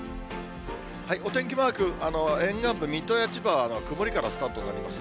お天気マーク、沿岸部、水戸や千葉は曇りからスタートとなりますね。